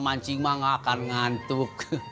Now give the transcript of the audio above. mancing mah gak akan ngantuk